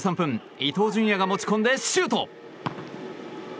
伊東純也が持ち込んでシュート。